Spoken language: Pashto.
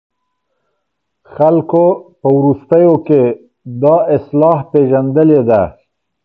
خلګو په وروستيو کې دا اصطلاح پېژندلې ده.